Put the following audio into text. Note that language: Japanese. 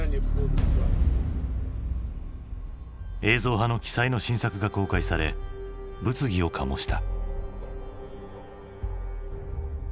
映像派の鬼才の新作が公開され物議を醸した。